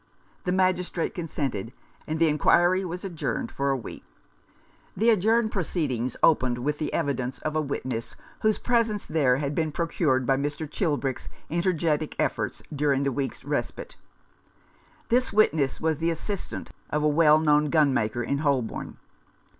The Magistrate consented, and the inquiry was adjourned for a week. The adjourned proceedings opened with the I5i Rough Justice. evidence of a witness whose presence there had been procured by Mr. Chilbrick's energetic efforts during the week's respite. This witness was the assistant of a well known gun maker in Holborn.